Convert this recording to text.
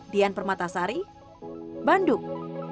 dian permatasari bandung